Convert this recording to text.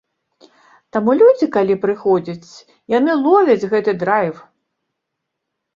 Таму людзі, калі прыходзяць, яны ловяць гэты драйв!